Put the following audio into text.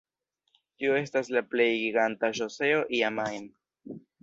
Tio estas la plej giganta ŝoseo iam ajn